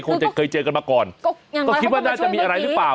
คงจะเคยเจอกันมาก่อนก็คิดว่าน่าจะมีอะไรหรือเปล่า